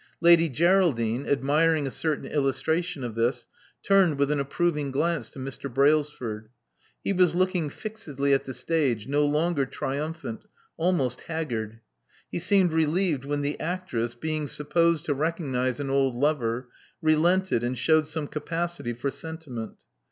Lady Geraldine, admiring a certain illustration of this, turned with an approving glance to Mr. Brailsford. He was looking fixedly at the stage, no longer triumphant, almost haggard. He seemed relieved when the actress, being supposed to recognize an old lover, relented, and showed some capacity for sentiment.